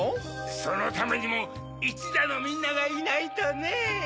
そのためにもいちざのみんながいないとねぇ。